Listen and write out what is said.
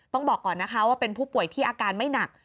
ต้องบอกก่อนนะคะว่าเป็นผู้ป่วยที่อาการไม่หนัก